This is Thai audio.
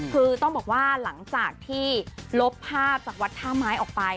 คือต้องบอกว่าหลังจากที่ลบภาพจากวัดท่าไม้ออกไป